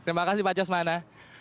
terima kasih pak casmana